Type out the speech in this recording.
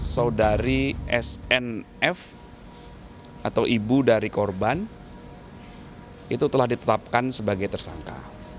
saudari snf atau ibu dari korban itu telah ditetapkan sebagai tersangka